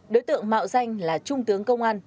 đối tượng mạo danh là trung tướng công an